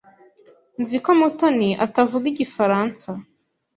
Nzi ko Mutoni atavuga Igifaransa.